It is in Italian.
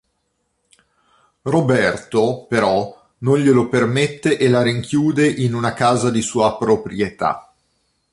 Roberto, però, non glielo permette e la rinchiude in una casa di sua proprietà.